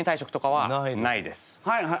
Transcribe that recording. はいはい。